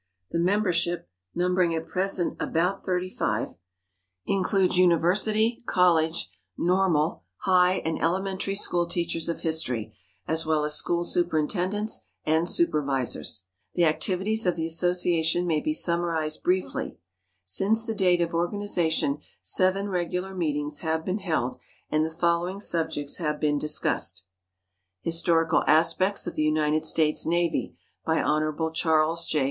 The membership, numbering at present about thirty five, includes university, college, normal, high and elementary school teachers of history, as well as school superintendents and supervisors. The activities of the Association may be summarized briefly. Since the date of organization seven regular meetings have been held and the following subjects have been discussed: "Historical Aspects of the United States Navy," by Hon. Charles J.